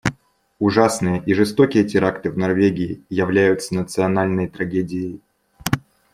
Ужасные и жестокие теракты в Норвегии являются национальной трагедией.